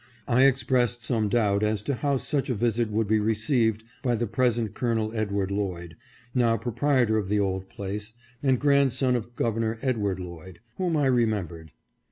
I expressed some doubt as to how such a visit would be received by the present Col. Edward Lloyd, now proprietor of the old place, and grandson of Governor Ed. Lloyd, whom I remembered.